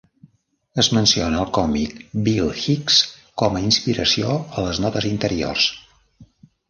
Es menciona el còmic Bill Hicks como a "inspiració" a les notes interiors.